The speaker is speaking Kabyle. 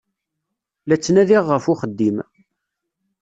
La ttnadiɣ ɣef uxeddim.